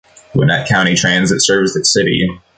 Gwinnett County Transit serves the city.